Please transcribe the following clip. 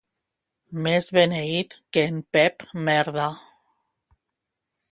Més beneit que en Pep merda.